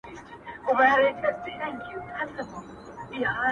خير دی د ميني د وروستي ماښام تصوير دي وي.